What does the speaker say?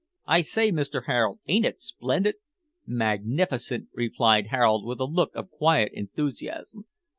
"I say, Mister Harold, ain't it splendid?" "Magnificent!" replied Harold with a look of quiet enthusiasm.